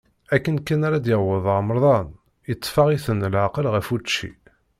Akken kan ara d-yaweḍ remḍan, itteffeɣ-iten leɛqel ɣef učči.